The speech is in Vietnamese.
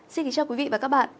xin kính chào quý vị và các bạn